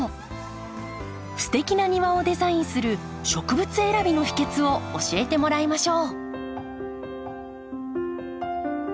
すてきな庭をデザインする植物選びの秘訣を教えてもらいましょう。